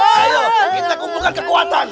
ayo kita kumpulkan kekuatan